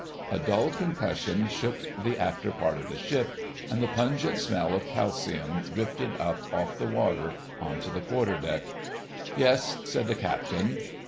A dull concussion shook the after part of the ship, and the pungent smell of calcium drifted up off the water on to the quarterdeck. "Yes," said the Captain.